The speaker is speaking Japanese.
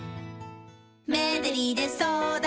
メデリで相談